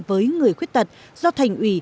với người khuyết tật do thành ủy